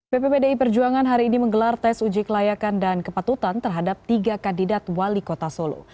pppdi perjuangan hari ini menggelar tes uji kelayakan dan kepatutan terhadap tiga kandidat wali kota solo